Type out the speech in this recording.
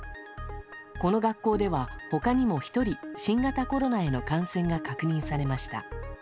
この学校では、他にも１人新型コロナへの感染が確認されました。